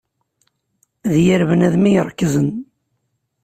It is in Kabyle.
D yir bnadem i iṛekzen.